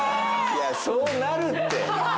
いやそうなるって。